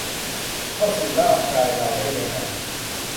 เข้าสู่ร่างกายเราได้ยังไง